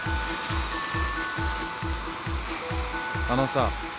あのさ。